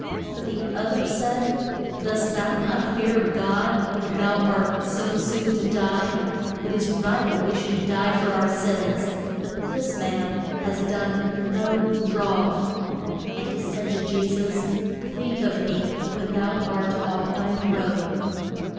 But the oth er said, Dost thou not fear God when thou art so soon to die? It is right that we should die for our sins, but this man has done no wrong. And he said to Je sus, Think of me when thou art on thy throne.